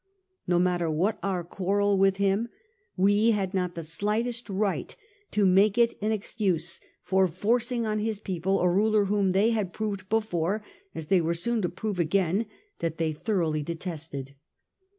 No matter what our quarrel with him, we had not the slightest right to make it an excuse for forcing on his people a ruler whom they had proved before, as they were soon to prove again, that they thoroughly detested.